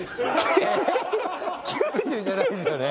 ９０じゃないですよね。